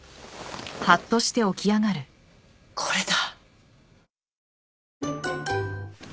これだ。